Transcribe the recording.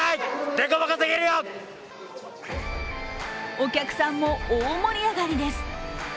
お客さんも大盛り上がりです。